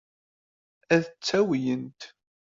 Ad tt-awyent.